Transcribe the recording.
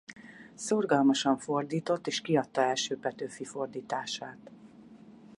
Szorgalmasan fordított és kiadta első Petőfi fordítását.